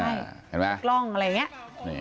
กล้องอะไรอย่างนี้